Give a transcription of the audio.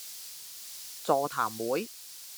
座談會